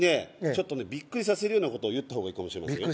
ちょっとねビックリさせるようなことを言った方がいいかもしれませんよ